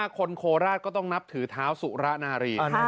คนโคราชก็ต้องนับถือเท้าสุระนารี